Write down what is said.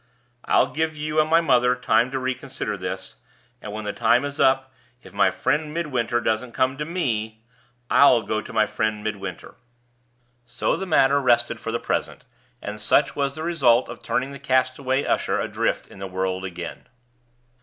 I'll give you and my mother time to reconsider this; and, when the time is up, if my friend Midwinter doesn't come to me, I'll go to my friend Midwinter." So the matter rested for the present; and such was the result of turning the castaway usher adrift in the world again.